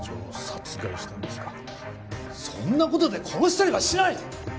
そんな事で殺したりはしない！